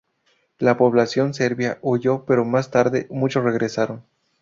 La población serbia huyó, pero más tarde, muchos regresaron.